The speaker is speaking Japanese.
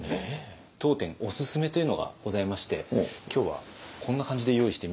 当店おすすめというのがございまして今日はこんな感じで用意してみました。